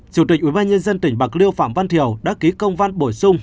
chủ tịch ủy ban nhân dân tỉnh bạc liêu phạm văn thiều đã ký công văn bổ sung